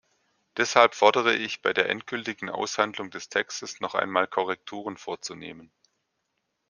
Deshalb fordere ich, bei der endgültigen Aushandlung des Textes noch einmal Korrekturen vorzunehmen.